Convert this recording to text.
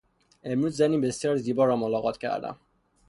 امروز زنی بسیار زیبا را ملاقات کردم.